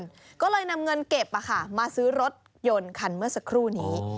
ต่อที่ญี่ปุ่นก็เลยนำเงินเก็บมาซื้อรถยนต์คันเมื่อสักครู่นี้